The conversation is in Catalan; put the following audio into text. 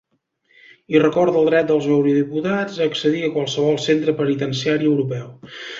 I recorda el dret dels eurodiputats a accedir a qualsevol centre penitenciari europeu.